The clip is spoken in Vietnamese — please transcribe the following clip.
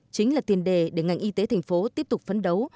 chính là tiền đề để ngành y tế tp hcm tiếp tục phấn đấu